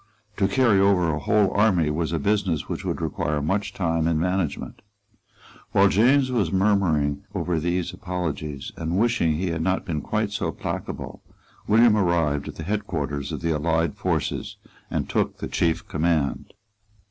To carry over a whole army was a business which would require much time and management. While James was murmuring over these apologies, and wishing that he had not been quite so placable, William arrived at the head quarters of the allied forces, and took the chief command.